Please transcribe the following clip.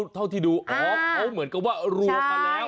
เท่าที่ดูอ๋อเขาเหมือนกับว่ารวมมาแล้ว